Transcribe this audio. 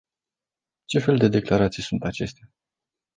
Ce fel de declarații sunt acestea?